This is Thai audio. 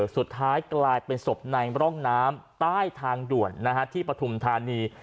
สุดท้ายกลายเป็นศพในร่องน้ำใต้ทางด่วนที่ปฐุมธานี